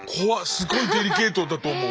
すごいデリケートだと思う。